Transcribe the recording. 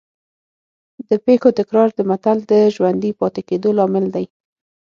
د پېښو تکرار د متل د ژوندي پاتې کېدو لامل دی